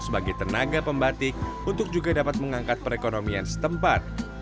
sebagai tenaga pembatik untuk juga dapat mengangkat perekonomian setempat